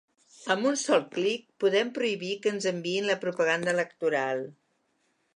Amb un sol clic, podem prohibir que ens enviïn la propaganda electoral.